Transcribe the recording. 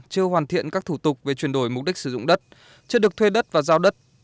chưa hoàn thiện các thủ tục về chuyển đổi mục đích sử dụng đất chưa được thuê đất và giao đất